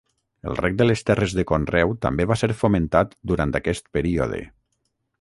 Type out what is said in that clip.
El reg de les terres de conreu també va ser fomentat durant aquest període.